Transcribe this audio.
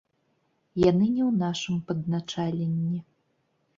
Яны не ў нашым падначаленні.